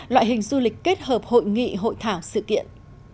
loại hình du lịch kết hợp hội nghị hội thảo sự kiện